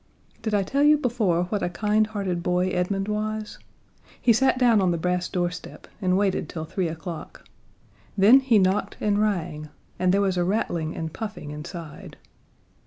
Did I tell you before what a kindhearted boy Edmund was? He sat down on the brass doorstep and waited till three o'clock. Then he knocked and rang, and there was a rattling and puffing inside.